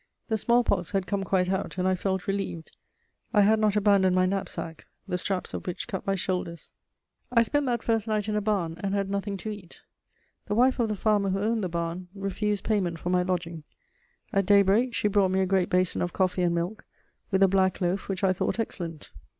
The smallpox had come quite out, and I felt relieved. I had not abandoned my knapsack, the straps of which cut my shoulders. I spent that first night in a barn, and had nothing to eat. The wife of the farmer who owned the barn refused payment for my lodging. At daybreak she brought me a great basin of coffee and milk, with a black loaf which I thought excellent.